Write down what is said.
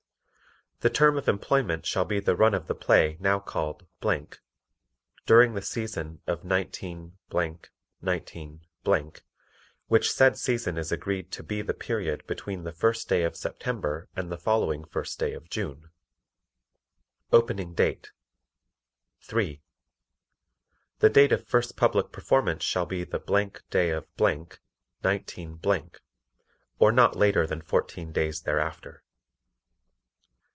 The term of employment shall be the Run of the Play now called during the season of 19 19 which said season is agreed to BE THE PERIOD BETWEEN THE FIRST DAY OF SEPTEMBER AND THE FOLLOWING FIRST DAY OF JUNE. Opening Date 3. The date of first public performance shall be the day of , 19 , or not later than fourteen days thereafter.